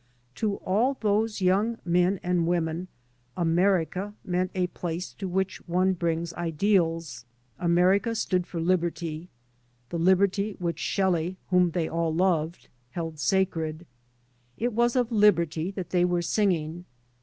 To all those young men and women Amer ica meant a place to which one brings ideals. America stood for liberty, the liberty which Shelley, whom they all loved, held sacred. It was of liberty that they were singing.